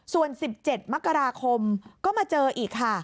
ส่วน๑๗มกราคมก็มาเจออีกค่ะ